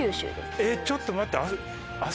えっちょっと待って。